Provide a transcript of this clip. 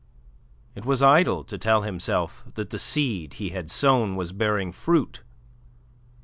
It was idle to tell himself that the seed he had sown was bearing fruit.